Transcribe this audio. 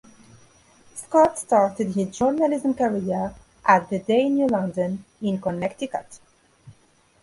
Scott started his journalism career at "The Day (New London)" in Connecticut.